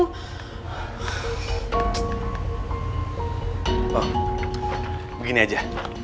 oh begini aja